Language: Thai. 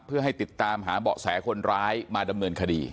เพื่อให้ติดตามหาเบาะแสคนร้ายมาดำเนินคดี